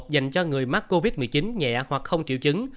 dành cho người mắc covid một mươi chín nhẹ hoặc không triệu chứng